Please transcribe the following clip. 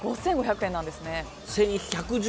５５００円なんですね。